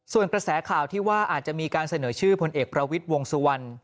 ส่วนกระแสข่าวที่ว่าอาจจะมีการเสนอชื่อพลเอกประวิทย์วงสุวรรณ